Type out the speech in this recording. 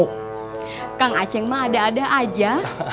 kau kang aceng ada ada aja